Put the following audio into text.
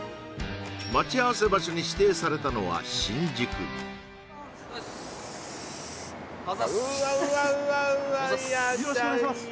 待ち合わせ場所に指定されたのは新宿よろしくお願いします